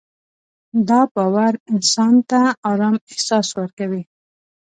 دا باور انسان ته ارام احساس ورکوي.